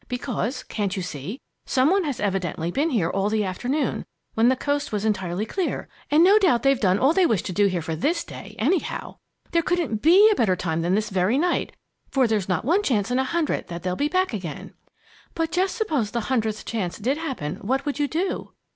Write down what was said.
Because can't you see? some one has evidently been here all the afternoon, when the coast was entirely clear, and no doubt they've done all they wish to do there for this day, anyhow! There couldn't be a better time than this very night, for there's not one chance in a hundred that they'll be back again." "But just suppose the hundredth chance did happen, what would you do?"